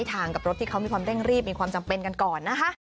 ทางกับรถที่เขามีความเร่งรีบมีความจำเป็นกันก่อนนะคะ